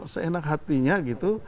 seenak hatinya gitu